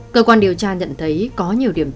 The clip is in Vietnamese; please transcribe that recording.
cơ quan điều tra nhận thấy có nhiều điểm trường